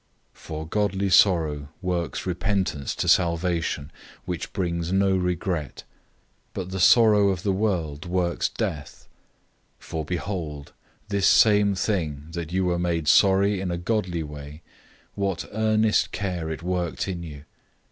007:010 For godly sorrow works repentance to salvation, which brings no regret. But the sorrow of the world works death. 007:011 For behold, this same thing, that you were made sorry in a godly way, what earnest care it worked in you.